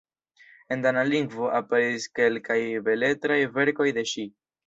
En dana lingvo aperis kelkaj beletraj verkoj de ŝi.